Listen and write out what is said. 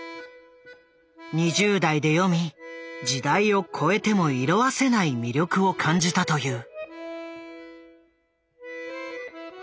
２０代で読み時代を超えても色あせない魅力を感じたという。